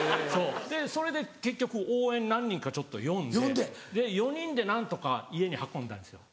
それで結局応援何人かちょっと呼んで４人で何とか家に運んだんですよ。